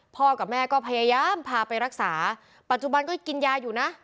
กับแม่ก็พยายามพาไปรักษาปัจจุบันก็กินยาอยู่นะ